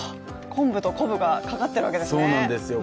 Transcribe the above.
昆布とコブがかかってるわけですね。